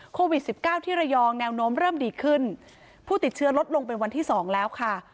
โควิดสิบเก้าที่ระยองแนวโน้มเริ่มดีขึ้นผู้ติดเชื้อลดลงเป็นวันที่สองแล้วค่ะ